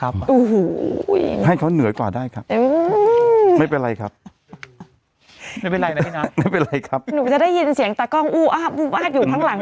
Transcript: อ่ะเยอะจริง